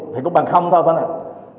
thì cũng bằng không thôi phải không ạ